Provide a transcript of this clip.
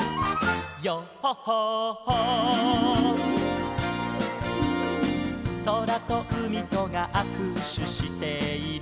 「ヨッホッホッホー」「そらとうみとがあくしゅしている」